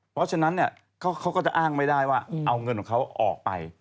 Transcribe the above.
เพราะฉะนั้นเขาก็จะอ้างไม่ได้ว่าเอาเงินของเขาออกไป